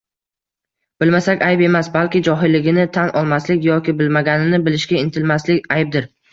Bilmaslik ayb emas, balki johilligini tan olmaslik yoki bilmaganini bilishga intilmaslik aybdir.